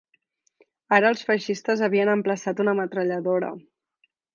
Ara els feixistes havien emplaçat una metralladora